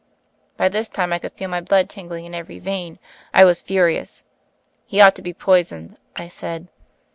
By this time, I could feel my blood tingling in every vein. I was furious. "He ought to be poisoned I" I said.